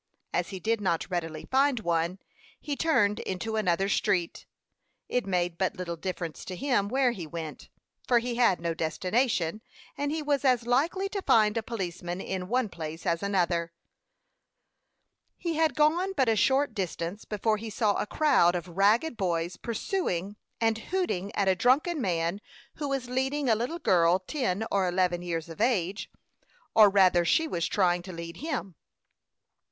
As he did not readily find one, he turned into another street. It made but little difference to him where he went, for he had no destination, and he was as likely to find a policeman in one place as another. He had gone but a short distance before he saw a crowd of ragged boys pursuing and hooting at a drunken man who was leading a little girl ten or eleven years of age, or rather, she was trying to lead him.